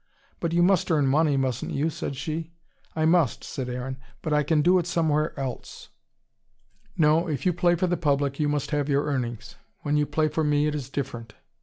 "But you must earn money, mustn't you?" said she. "I must," said Aaron. "But I can do it somewhere else." "No. If you play for the public, you must have your earnings. When you play for me, it is different."